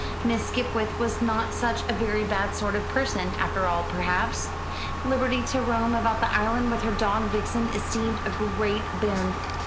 Miss Skipwith was not such a very bad sort of person, after all, perhaps. Liberty to roam about the island with her dog Vixen esteemed a great boon.